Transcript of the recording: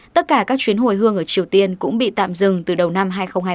tất cả các chuyến hồi hương ở triều tiên cũng bị tạm dừng từ đầu năm hai nghìn hai mươi